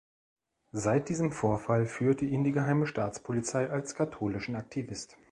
Seit diesem Vorfall führte ihn die Geheime Staatspolizei als „katholischen Aktivist“.